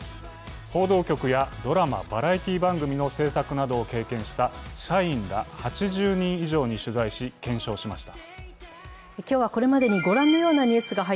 報道局やドラマ、バラエティー番組の制作などを担当した経験がある社員ら８０人以上に取材し、検証しました。